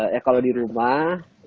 ya kalau di rumah